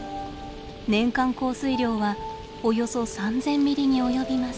年間降水量はおよそ３，０００ミリに及びます。